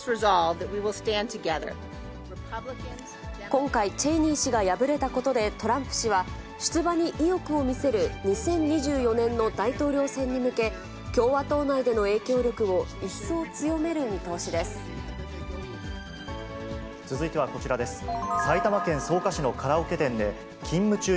今回、チェイニー氏が敗れたことで、トランプ氏は、出馬に意欲を見せる、２０２４年の大統領選に向け、共和党内での影響力を一層強める続いてはこちらです。